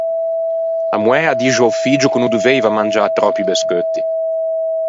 A moæ a dixe a-o figgio ch’o no doveiva mangiâ tròppi bescheutti.